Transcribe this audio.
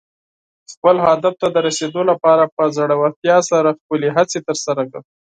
خپل هدف ته د رسېدو لپاره په زړۀ ورتیا سره خپلې هڅې ترسره کړه.